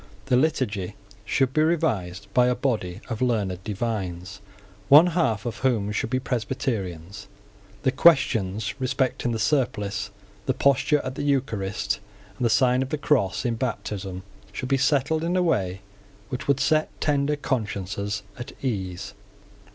The Liturgy should be revised by a body of learned divines, one half of whom should be Presbyterians. The questions respecting the surplice, the posture at the Eucharist, and the sign of the cross in baptism, should be settled in a way which would set tender consciences at ease.